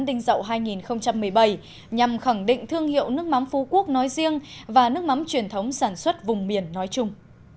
đinh dậu hai nghìn một mươi bảy nhằm khẳng định thương hiệu nước mắm phú quốc nói riêng và nước mắm truyền thống sản xuất vùng miền nói chung